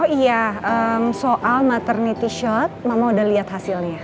oh iya soal maternity shot mama udah lihat hasilnya